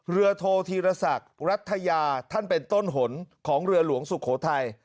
โทธีรศักดิ์รัฐยาท่านเป็นต้นหนของเรือหลวงสุโขทัย